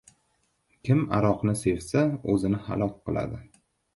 • Kim aroqni sevsa, o‘zini halok qiladi.